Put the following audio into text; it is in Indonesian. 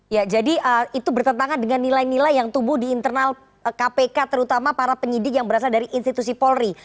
ya jadi itu bertentangan dengan nilai nilai yang tumbuh di internal kpk terutama para penyidik yang berasal dari institusi polri